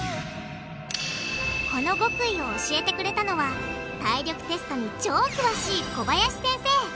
この極意を教えてくれたのは体力テストに超詳しい小林先生。